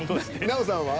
奈緒さんは？